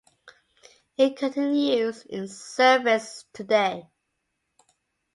It continues in service today.